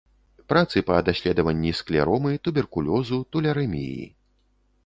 Працы па даследаванні склеромы, туберкулёзу, тулярэміі.